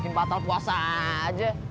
gimpah telpon saja